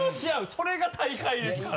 それが大会ですから。